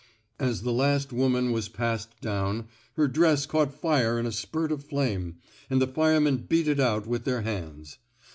As the last woman was passed down, her dress caught fire in a spurt of flame, and the firemen beat it out with their hands.